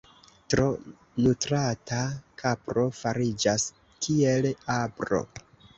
Tro nutrata kapro fariĝas kiel apro.